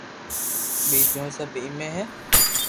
ٻيجو سب ايمي ھي